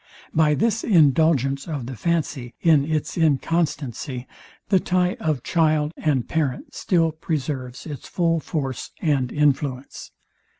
By this indulgence of the fancy in its inconstancy, the tie of child and parent still preserves its full force and influence.